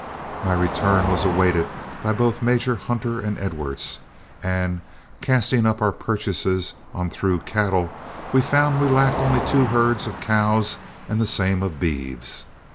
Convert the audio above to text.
My return was awaited by both Major Hunter and Edwards, and casting up our purchases on through cattle, we found we lacked only two herds of cows and the same of beeves.